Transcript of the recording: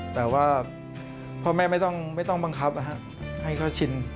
แต่ว่าพ่อแม่ไม่ต้องบังคับให้เขาชิน